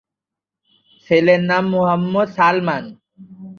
ছেলের নাম মুহাম্মদ সালমান।